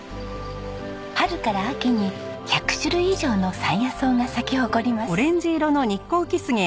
春から秋に１００種類以上の山野草が咲き誇ります。